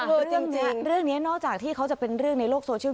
จริงเรื่องนี้นอกจากที่เขาจะเป็นเรื่องในโลกโซเชียล